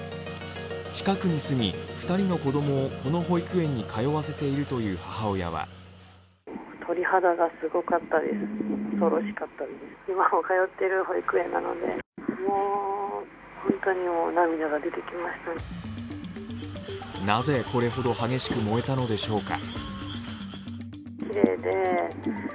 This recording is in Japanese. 近くに住み、２人の子どもをこの保育園に通わせているという母親はなぜ、これほど激しく燃えたのでしょうか。